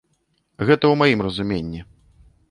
Гэта ў маім разуменні.